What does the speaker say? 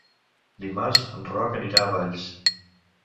Dimarts en Roc anirà a Valls.